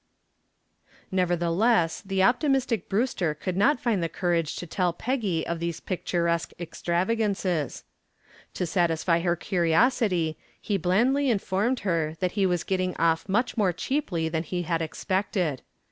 Nevertheless the optimistic Brewster could not find the courage to tell Peggy of these picturesque extravagances. To satisfy her curiosity he blandly informed her that he was getting off much more cheaply than he had expected.